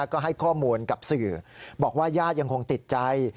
ก็ให้ข้อมูลกับสื่อบอกว่าญาติยังคงติดใจ